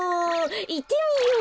いってみよう！